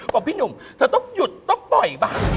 บอกพี่หนุ่มเธอต้องหยุดต้องปล่อยบ้าง